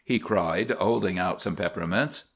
he cried, holding out some peppermints.